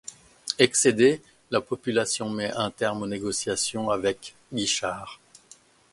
Excédée, la population met un terme aux négociations avec Guichard.